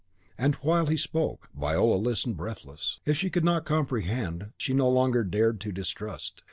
And while he spoke, Viola listened, breathless. If she could not comprehend, she no longer dared to distrust.